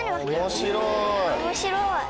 面白い。